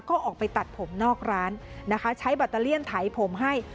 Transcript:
ก็ออกไปตัดผมนอกร้านนะคะใช้แบตเตอเลี่ยนไถผมให้